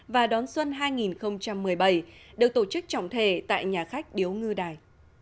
và đón xuân hai nghìn một mươi bảy được tổ chức trọng thể tại nhà khách điếu ngư đài